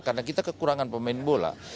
karena kita kekurangan pemain bola